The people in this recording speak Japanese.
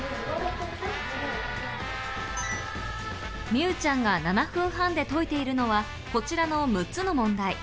美羽ちゃんが７分半で解いているのはこちらの６つの問題。